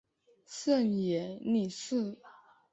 胜野莉世。